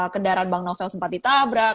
kendaraan bang novel sempat ditabrak